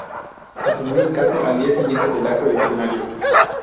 Asumió el cargo al día siguiente del acto eleccionario.